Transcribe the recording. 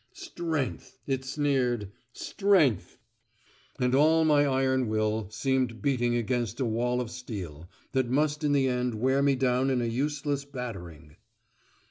"Strength," it sneered. "Strength." And all my iron will seemed beating against a wall of steel, that must in the end wear me down in a useless battering.